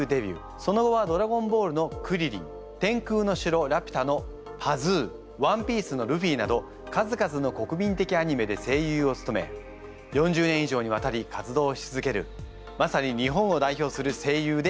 その後は「ドラゴンボール」のクリリン「天空の城ラピュタ」のパズー「ＯＮＥＰＩＥＣＥ」のルフィなど数々の国民的アニメで声優をつとめ４０年以上にわたり活動し続けるまさに日本を代表する声優であります。